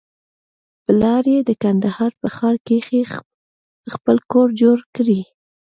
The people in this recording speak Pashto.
پلار يې د کندهار په ښار کښې خپل کور جوړ کړى.